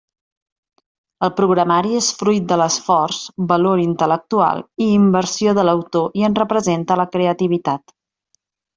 El programari és fruit de l'esforç, valor intel·lectual i inversió de l'autor i en representa la creativitat.